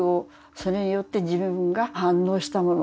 それによって自分が反応したもの